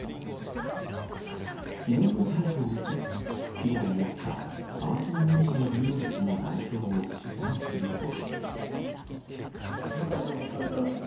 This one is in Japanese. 昨日の逮捕を受け被害に遭った河内長野市の美容師の代表を取材すると。